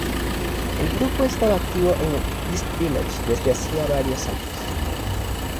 El grupo estaba activo en el East Village desde hacia varios años.